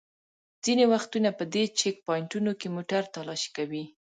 ځینې وختونه په دې چېک پواینټونو کې موټر تالاشي کوي.